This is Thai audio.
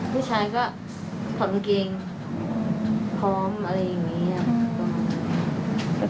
ผู้ชายก็ถอดมันเกงพร้อมอะไรอย่างเงี้ยอืม